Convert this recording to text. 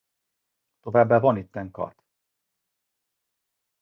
Továbbá van itten kath.